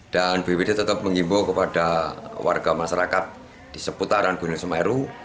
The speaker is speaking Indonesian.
dan bwd tetap mengimbau kepada warga masyarakat di seputaran gunung semeru